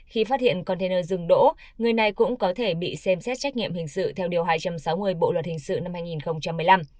khi phát hiện container rừng đỗ người này cũng có thể bị xem xét trách nhiệm hình sự theo điều hai trăm sáu mươi bộ luật hình sự năm hai nghìn một mươi năm